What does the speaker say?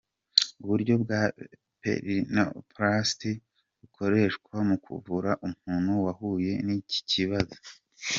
Uburyo bwa ‘Perineoplasty’ bukoreshwa mu kuvura umuntu wahuye n’iki kibazo.